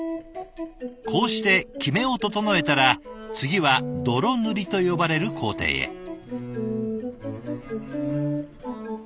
こうしてキメを整えたら次はどろ塗りと呼ばれる工程へ。